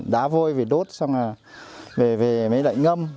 đá vôi phải đốt xong là về mới lại ngâm